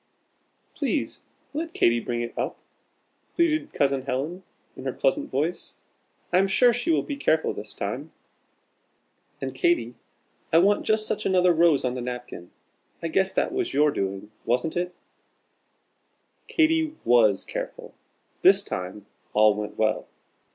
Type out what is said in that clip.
"Please let Katy bring it up!" pleaded Cousin Helen, in her pleasant voice, "I am sure she will be careful this time. And Katy, I want just such another rose on the napkin. I guess that was your doing wasn't it?" Katy was careful. This time all went well.